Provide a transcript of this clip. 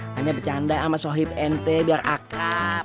hanya bercanda sama sohib ente biar akab